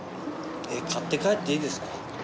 買って帰っていいですか？